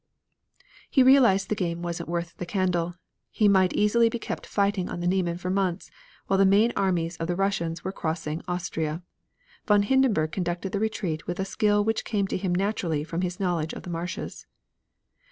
He realized that the game wasn't worth the candle; he might easily be kept fighting on the Niemen for months, while the main armies of the Russians were crossing Austria. Von Hindenburg conducted the retreat with a skill which came to him naturally from his knowledge of the marshes.